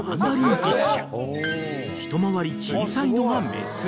［一回り小さいのが雌］